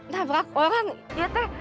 nabrak orang ya tee